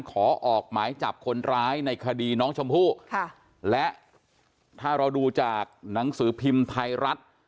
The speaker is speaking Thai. ออกหมายจับคนร้ายในคดีน้องชมพู่ค่ะและถ้าเราดูจากหนังสือพิมพ์ไทยรัฐ